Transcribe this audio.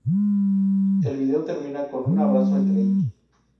El video termina con un abrazo entre ellos.